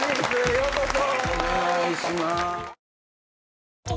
ようこそ！